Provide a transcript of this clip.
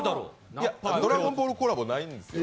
「ドラゴンボール」コラボないんですよ。